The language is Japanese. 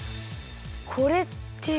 「これ」って。